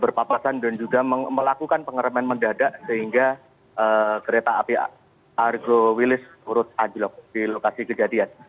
berpapasan dan juga melakukan pengereman mendadak sehingga kereta api argo wilis turut anjlok di lokasi kejadian